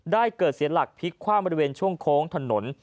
เกิดเสียหลักพลิกความบริเวณช่วงโค้งถนน